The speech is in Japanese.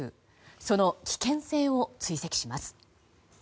その危険性を追跡します。